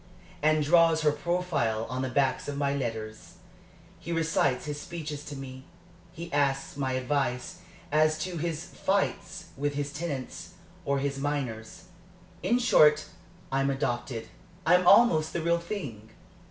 and draws her profile on the backs of my letters. He recites his speeches to me; he asks my advice as to his fights with his tenants or his miners. In short, I'm adopted I'm almost the real thing."